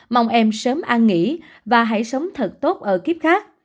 mong em sớm an nghỉ và hãy sống thật tốt ở kiếp khác